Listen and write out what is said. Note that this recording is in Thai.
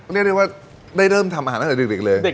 เรียกได้ว่าได้เริ่มทำอาหารตั้งแต่เด็กเลย